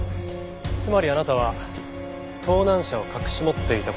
つまりあなたは盗難車を隠し持っていた事になる。